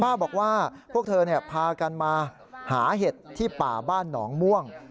บอกว่าพวกเธอพากันมาหาเห็ดที่ป่าบ้านหนองม่วง